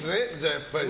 やっぱりね。